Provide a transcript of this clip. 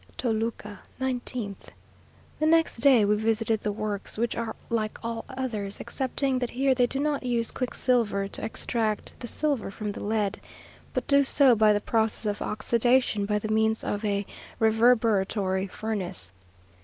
TOLUCA, 19th. The next day we visited the works, which are like all others, excepting that here they do not use quicksilver to extract the silver from the lead, but do so by the process of oxidation, by the means of a reverberatory furnace.